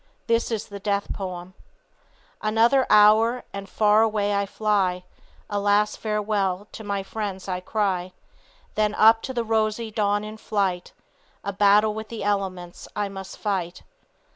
This is the death poem: Another hour and far away I fly; A last farewell to my friends I cry; Then up to the rosy dawn in flight; A battle with the elements I must fight.